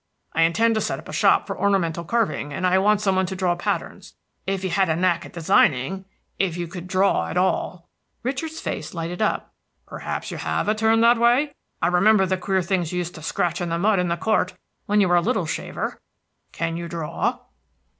I intend to set up a shop for ornamental carving, and I want some one to draw patterns. If you had a knack at designing, if you could draw at all" Richard's face lighted up. "Perhaps you have a turn that way. I remember the queer things you used to scratch in the mud in the court, when you were a little shaver. Can you draw?"